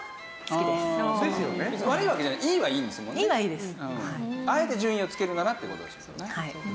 あえて順位をつけるならって事ですもんね。